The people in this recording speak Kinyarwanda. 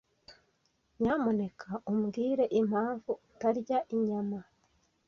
Nyamuneka umbwire impamvu utarya inyama.